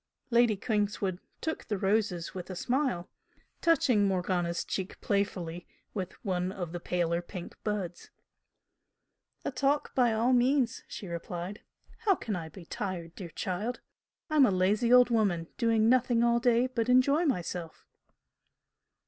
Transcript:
Lady Kingswood took the roses with a smile, touching Morgana's cheek playfully with one of the paler pink buds. "A talk by all means!" she replied "How can I be tired, dear child? I'm a lazy old woman, doing nothing all day but enjoy myself!"